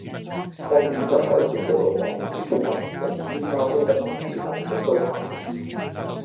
擴展及改善道路網，以配合運輸交通及城市發展的需求